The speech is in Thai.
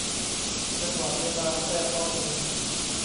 จังหวะเวลาแพร่ข้อมูล